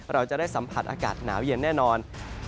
เราจะได้สัมผัสอากาศหนาวเย็นแน่นอน